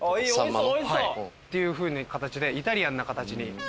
さんまの？っていうふうな形でイタリアンな形に。